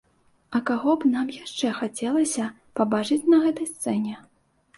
А каго б нам яшчэ хацелася пабачыць на гэтай сцэне?